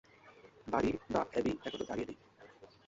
বাড়ি বা অ্যাবি এখনো দাঁড়িয়ে নেই।